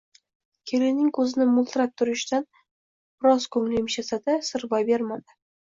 kelinining ko`zini mo`ltiratib turishidan biroz ko`ngli yumshasa-da, sir boy bermadi